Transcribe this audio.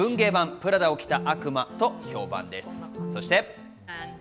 文芸版『プラダを着た悪魔』と評判です。